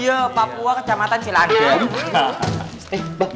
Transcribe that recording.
eh mbak bantal keren nih